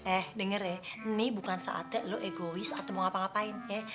eh denger ya ini bukan saatnya lo egois atau mau ngapa ngapain ya